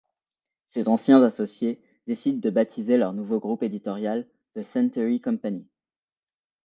Ses anciens associés décident de baptiser leur nouveau groupe éditorial, The Century Company.